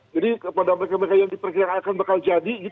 jadi kepada mereka mereka yang diperkirakan akan jadi